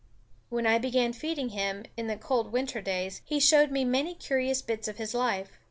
When I began feeding him, in the cold winter days, he showed me many curious bits of his life.